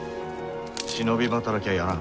忍び働きはやらん。